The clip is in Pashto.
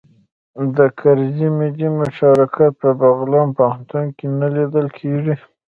د کرزي ملي مشارکت په بغلان پوهنتون کې نه لیدل کیږي